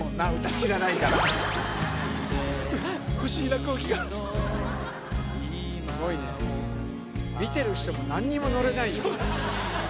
知らないから不思議な空気がすごいね見てる人も何にものれないよ